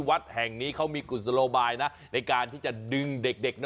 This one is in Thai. วัดแห่งนี้เขามีกุศโลบายนะในการที่จะดึงเด็กนะ